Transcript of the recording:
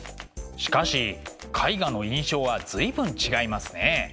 しかし絵画の印象は随分違いますね。